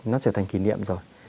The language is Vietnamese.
nó trở thành kỷ niệm rồi